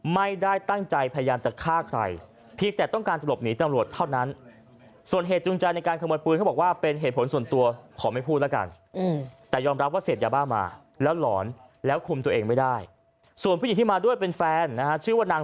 ไม่ได้ตั้งใจพยายามจะฆ่าใครพีร์แต่ต้องการจะหลบหนีจากตำรวจเท่านั้น